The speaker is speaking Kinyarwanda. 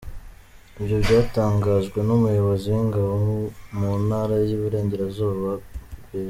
Ibi byatangajwe n’Umuyobozi w’Ingabo mu Ntara y’Iburengerazuba Bg.